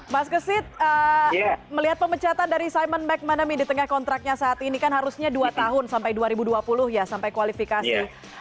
mas kesit melihat pemecatan dari simon mcmanamy di tengah kontraknya saat ini kan harusnya dua tahun sampai dua ribu dua puluh ya sampai kualifikasi